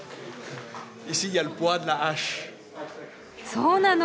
そうなの。